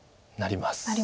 なります。